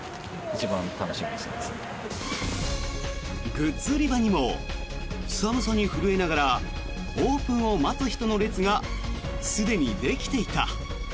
グッズ売り場にも寒さに震えながらオープンを待つ人の列がすでにできていた。